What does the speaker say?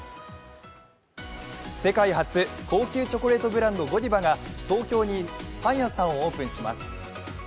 世界初高級チョコレートブランド・ゴディバが東京にパン屋さんをオープンします。